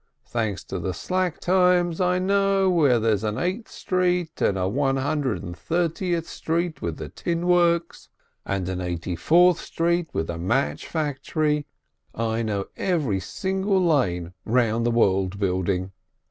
Thanks to the slack times, I know where there's an Eighth Street, and a One Hundred and Thirtieth Street with tin works, and an Eighty Fourth Street with a match factory. I know every single lane round the World Building.